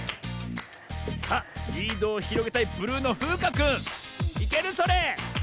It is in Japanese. さあリードをひろげたいブルーのふうかくんいけるそれ？